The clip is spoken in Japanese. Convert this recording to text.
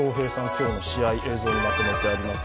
今日の試合、映像まとめてあります。